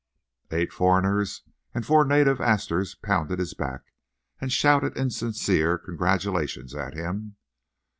Eight foreigners and four native Astors pounded his back and shouted insincere congratulations at him.